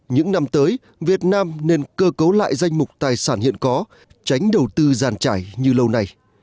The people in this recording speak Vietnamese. những năm tới việt nam nên cơ cấu lại danh mục tài sản hiện có tránh đầu tư giàn trải như lâu nay